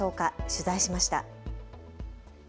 取材しました。